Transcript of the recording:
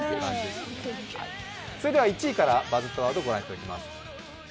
１位から「バズったワード」をご覧いただきます。